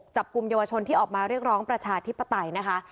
จับกลุ่มเยาวชนที่ออกมาเรียกร้องประชาธิปไตยนะคะ